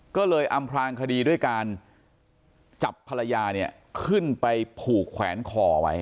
ก็เลยอำพลางคดีด้วยการจับภรรยาเนี่ยขึ้นไปผูกแขวนคอไว้